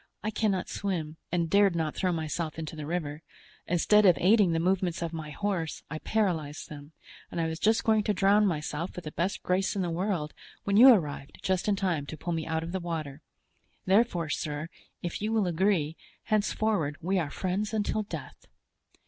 I cannot swim, and dared not throw myself into the river. Instead of aiding the movements of my horse, I paralyzed them; and I was just going to drown myself with the best grace in the world, when you arrived just in time to pull me out of the water; therefore, sir, if you will agree, henceforward we are friends until death."